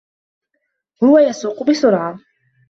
هو يسوق بسرعة.